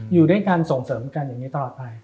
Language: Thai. อยู่ด้วยกันส่งเสริมกันอย่างนี้ตลอดไป